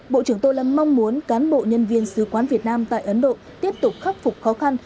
bộ trưởng tô lâm mong muốn cán bộ nhân viên sứ quán việt nam tại ấn độ tiếp tục khắc phục khó khăn